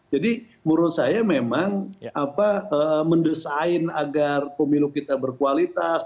menurut saya memang mendesain agar pemilu kita berkualitas